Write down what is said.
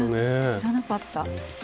知らなかった。